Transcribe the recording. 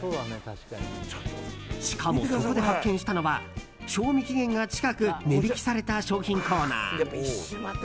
しかも、そこで発見したのは賞味期限が近く値引きされた商品コーナー。